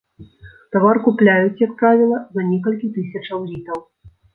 Тавар купляюць, як правіла, на некалькі тысячаў літаў.